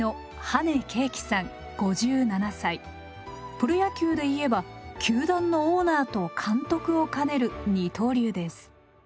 プロ野球で言えば球団のオーナーと監督を兼ねる二刀流です。